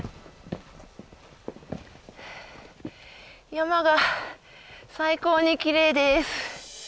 山が最高にきれいです。